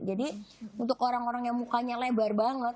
jadi untuk orang orang yang mukanya lebar banget